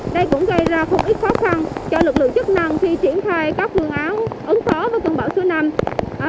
đây cũng gây ra không ít khó khăn cho lực lượng chức năng khi triển khai các phương án ứng phó với cơn bão số năm